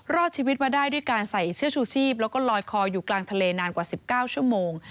รอดชีวิตมาได้ด้วยการใส่เสื้อชูชีพแล้วก็ลอยคออยู่กลางทะเลนานกว่า๑๙ชั่วโมง